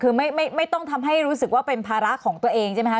คือไม่ต้องทำให้รู้สึกว่าเป็นภาระของตัวเองใช่ไหมคะ